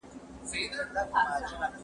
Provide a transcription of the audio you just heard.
ښه ژوند د پاکوالي څخه پیل کیږي.